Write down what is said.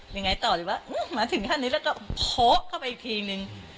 ยังไงต่อหรือว่ามาถึงขั้นนี้แล้วก็โพะเข้าไปอีกทีนึง